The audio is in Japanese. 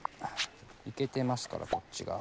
イケてますからこっちが。